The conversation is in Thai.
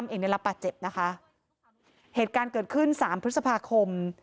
เองในรับป่าเจ็บนะคะเหตุการณ์เกิดขึ้น๓พฤษภาคม